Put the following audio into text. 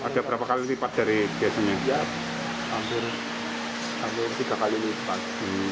ada berapa kali lipat dari biasanya hampir tiga kali lipat